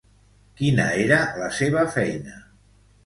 Quina era la seva feina?